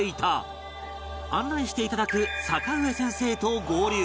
案内していただく坂上先生と合流